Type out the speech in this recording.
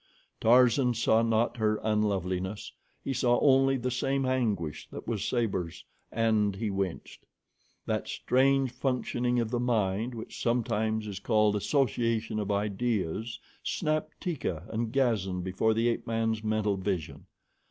Tarzan saw not her unloveliness; he saw only the same anguish that was Sabor's, and he winced. That strange functioning of the mind which sometimes is called association of ideas snapped Teeka and Gazan before the ape man's mental vision.